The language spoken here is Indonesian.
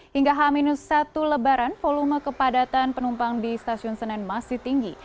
hingga h satu lebaran volume kepadatan penumpang di stasiun senen masih tinggi